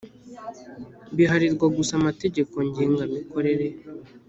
biharirwa gusa Amategeko ngenga mikorere